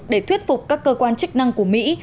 để thuyết phục các cơ quan chức năng của mỹ